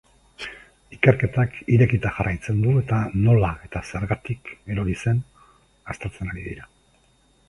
Ikerketak irekita jarraitzen du eta nola eta zergatik erori zen aztertzen ari dira.